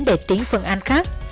để tính phương án khác